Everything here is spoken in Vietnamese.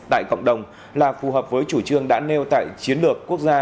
tại cộng đồng là phù hợp với chủ trương đã nêu tại chiến lược quốc gia